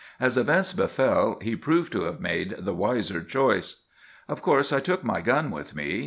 As events befell, he proved to have made the wiser choice. "Of course I took my gun with me.